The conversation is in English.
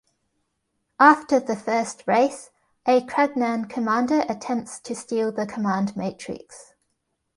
After the first race, a Kragnan commander attempts to steal the Command Matrix.